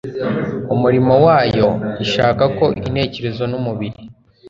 umurimo wayo. Ishaka ko intekerezo n’umubiri